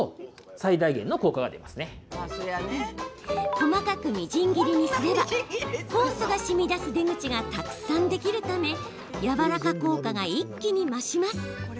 細かく、みじん切りにすれば酵素がしみ出す出口がたくさんできるためやわらか効果が一気に増します。